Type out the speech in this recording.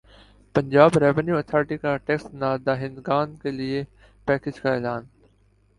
Punjab revenue authority کا tax نادہندگان کیلئے پیکج کا اعلان